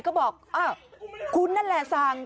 เขาบอกอ่ะคุณนั่นแหละสั่ง